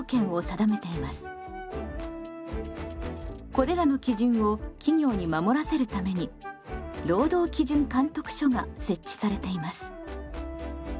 これらの基準を企業に守らせるために労働基準監督署が設置されています。